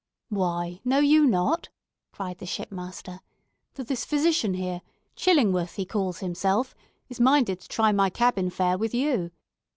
"Why, know you not," cried the shipmaster, "that this physician here—Chillingworth he calls himself—is minded to try my cabin fare with you?